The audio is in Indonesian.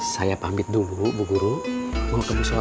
saya pamit dulu bu guru mau ke pusola